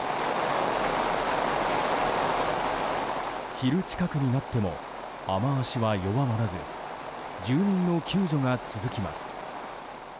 昼近くになっても雨脚は弱まらず住民の救助が続きます。